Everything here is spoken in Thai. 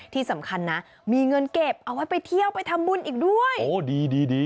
ที่สำคัญนะมีเงินเก็บเอาไว้ไปเที่ยวไปทำบุญอีกด้วยโอ้ดีดี